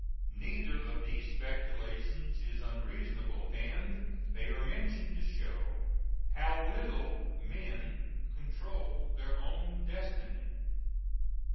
Neither of these speculations is unreasonable, and they are mentioned to show how little men control their own destiny.